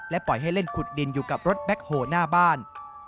ปล่อยให้เล่นขุดดินอยู่กับรถแบ็คโฮหน้าบ้าน